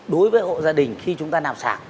đối với hộ gia đình khi chúng ta nạp sạc